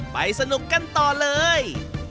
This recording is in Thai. ไปสนุกกันต่อเลย